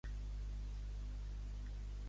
Ha fitxat per Model Management a Hamburg.